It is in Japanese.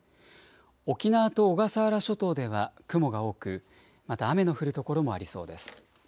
沖縄と小笠原諸島では雲が多くまた雨の降る所もありそうです。